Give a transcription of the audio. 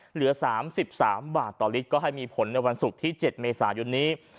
เหลือ๓๓บาทต่อลิตรก็ให้มีผลในวันศุกร์ที่๗เมษายนนี้